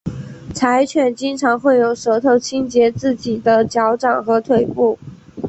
柴犬经常会用舌头清洁自己的脚掌和腿部。